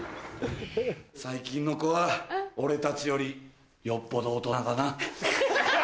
最近の子は俺たちよりよっぽど大人だな。